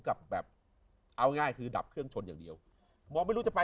กับแบบเอาง่ายคือดับเครื่องชนอย่างเดียวมองไม่รู้จะไป